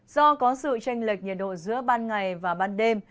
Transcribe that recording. do có sự tranh lệch nhiệt độ giữa ban ngày và ban đêm